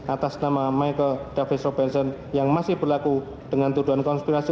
atas nama michael davis robersen yang masih berlaku dengan tuduhan konspirasi